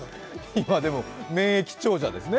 今、でも免疫長者ですね。